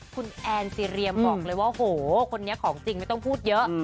คุณแอนซีเรียมบอกเลยว่าโหคนนี้ของจริงไม่ต้องพูดเยอะ